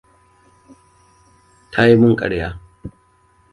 Ta yi min karya.